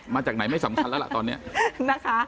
มาจากไหนไม่สำคัญแล้วล่ะตอนนี้นะคะ